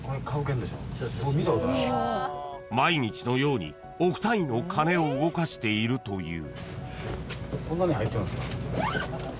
［毎日のように億単位の金を動かしているという］